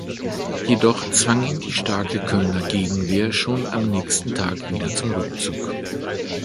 Jedoch zwang ihn die starke Kölner Gegenwehr schon am nächsten Tag wieder zum Rückzug.